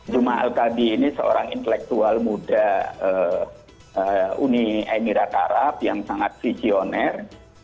cuma al qadi ini seorang intelektual muda uni emirat arab yang sangat visioner